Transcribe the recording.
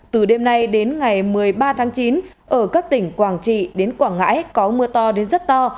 từ đêm nay đến ngày một mươi ba tháng chín ở các tỉnh quảng trị đến quảng ngãi có mưa to đến rất to